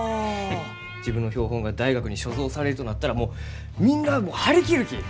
自分の標本が大学に所蔵されるとなったらもうみんなあも張り切るき！